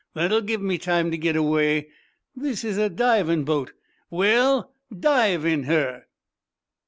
"That'll give me time to git away. This is a divin' boat. _Well, Dive in her!